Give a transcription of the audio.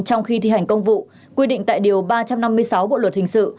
trong khi thi hành công vụ quy định tại điều ba trăm năm mươi sáu bộ luật hình sự